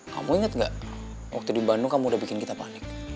kamu ingat gak waktu di bandung kamu udah bikin kita panik